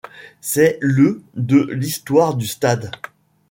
C'est le de l'histoire du Stade.